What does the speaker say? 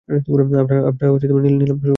আমরা নিলাম শুরু করব।